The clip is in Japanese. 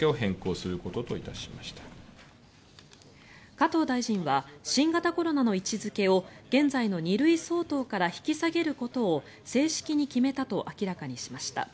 加藤大臣は新型コロナの位置付けを現在の２類相当から引き下げることを正式に決めたと明らかにしました。